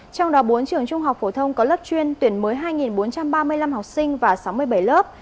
trong đó bốn trường trung học phổ thông có lớp chuyên tuyển mới hai bốn trăm ba mươi năm học sinh và sáu mươi bảy lớp